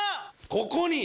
ここに。